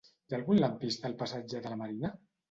Hi ha algun lampista al passatge de la Marina?